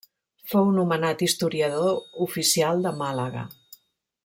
Fou nomenat historiador oficial de Màlaga.